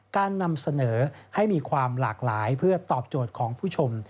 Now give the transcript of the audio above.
การนำเสนอให้มีความหลากหลายเพื่อตอบโจทย์ของผู้ชม